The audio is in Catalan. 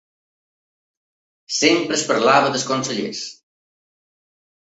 Sempre es parlava dels consellers